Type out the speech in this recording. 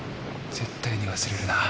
絶対に忘れるな。